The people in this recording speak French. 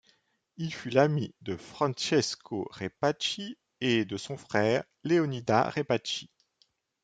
Il fut l'ami de Francesco Rèpaci et de son frère Leonida Rèpaci.